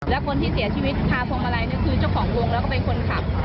แล้วคนที่เสียชีวิตคาพวงมาลัยนี่คือเจ้าของวงแล้วก็เป็นคนขับ